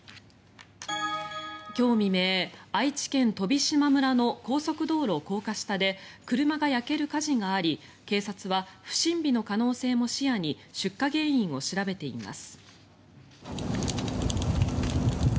今日未明、愛知県飛島村の高速道路高架下で車が焼ける火事があり警察は不審火の可能性も視野に出火原因を調べています。